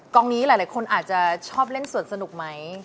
กองนี้หลายคนอาจจะชอบเล่นส่วนสนุกไหม